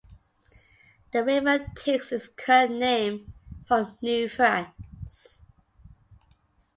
The river takes its current name from New France.